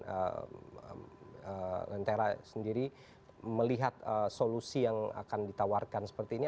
bagaimana lentera sendiri melihat solusi yang akan ditawarkan seperti ini